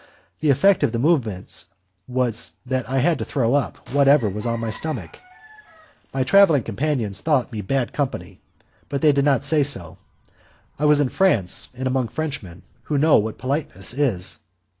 The effect of the movement was that I had to throw up whatever was on my stomach. My travelling companions thought me bad company, but they did not say so. I was in France and among Frenchmen, who know what politeness is.